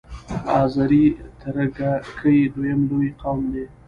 آذری ترکګي دویم لوی قوم دی.